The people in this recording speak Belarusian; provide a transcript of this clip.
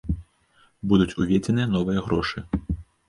Будуць уведзеныя новыя грошы.